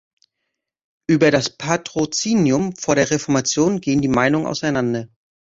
Über das Patrozinium vor der Reformation gehen die Meinungen auseinander.